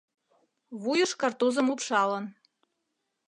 Вуйыш картузым упшалын.